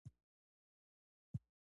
چې دوي مې دلته راوستي.